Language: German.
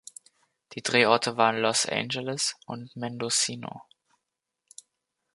Die Drehorte waren Los Angeles und Mendocino.